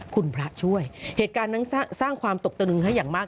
คุณพระช่วยเหตุการณ์นั้นสร้างความตกตะนึงให้อย่างมาก